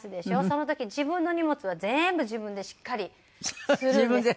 その時自分の荷物は全部自分でしっかりするんです。